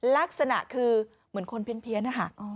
ลักษณะคือเหมือนคนเพี้ยนนะคะ